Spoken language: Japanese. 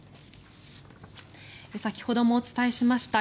先ほどもお伝えしました